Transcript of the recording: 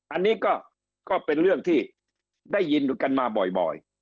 อันนี้ก็เป็นเรื่องที่ได้ยินกันมาบ่อย